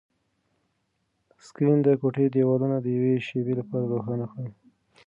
سکرین د کوټې دیوالونه د یوې شېبې لپاره روښانه کړل.